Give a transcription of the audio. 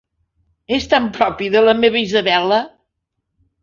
És tan propi de la meva Isabella!